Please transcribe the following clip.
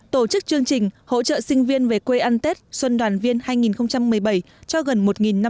tổ chức chương trình hỗ trợ sinh viên về quê ăn tết xuân đoàn viên hai nghìn một mươi bảy cho gần một năm trăm linh sinh viên